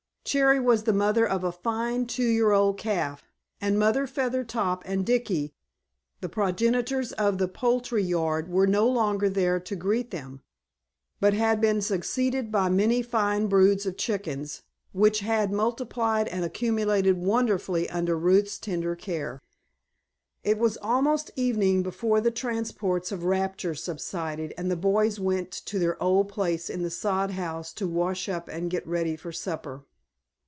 Cherry was the mother of a fine two year old calf, and Mother Feathertop and Dicky, the progenitors of the poultry yard, were no longer there to greet them, but had been succeeded by many fine broods of chickens, which had multiplied and accumulated wonderfully under Ruth's tender care. It was almost evening before the transports of rapture subsided and the boys went to their old place in the sod house to wash up and get ready for supper.